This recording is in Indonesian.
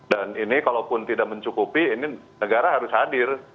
dan ini kalau pun tidak mencukupi ini negara harus hadir